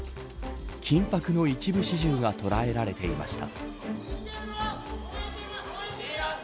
緊迫の一部始終が捉えられていました。